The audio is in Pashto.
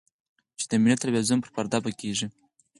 چې د ملي ټلویزیون پر پرده به کېږي.